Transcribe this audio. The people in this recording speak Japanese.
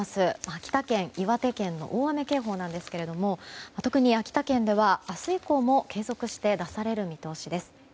秋田県、岩手県の大雨警報なんですけども特に秋田県では明日以降も継続して出される見通しです。